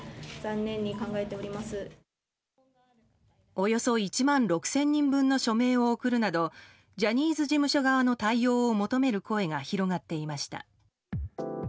およそ１万６０００人分の署名を送るなどジャニーズ事務所側の対応を求める声が広がっていました。